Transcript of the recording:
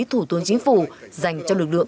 thủ tướng chính phủ dành cho lực lượng